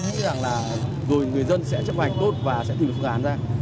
tôi nghĩ rằng là người dân sẽ chấp hành tốt và sẽ tìm được phương án ra